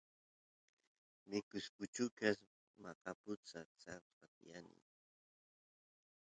mikus puchukas maqaputa saksaqa tiyani